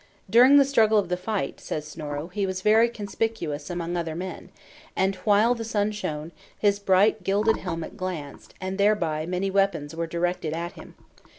"During the struggle of the fight," says Snorro, "he was very conspicuous among other men; and while the sun shone, his bright gilded helmet glanced, and thereby many weapons were directed at him.